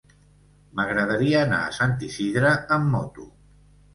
M'agradaria anar a Sant Isidre amb moto.